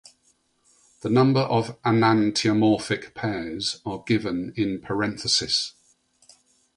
The number of enantiomorphic pairs are given in parentheses.